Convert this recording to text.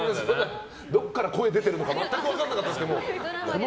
どこから声出てるのか全く分からなかったです。